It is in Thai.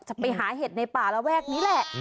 จะไปหาเห็ดในป่าระแวกนี้แหละ